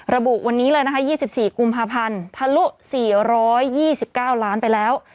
ระบุวันนี้เลยนะคะ๒๔กุมภาพันธ์ทะลุ๔๒๙ล้านไปแล้ว